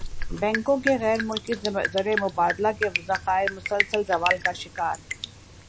بینکوں کے غیرملکی زرمبادلہ کے ذخائر مسلسل زوال کا شکار